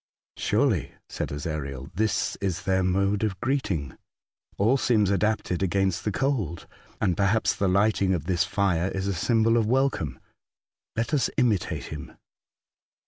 '' Sm^ely," said Ezariel, " this is their mode of greeting. All seems adapted against cold, and perhaps the lighting of this fire is a symbol of welcome. Let us imitate him."